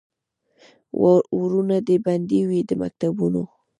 ورونه دي بند وي د مکتبونو